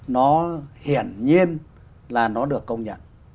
nó hiển nhiên là nó được công nhận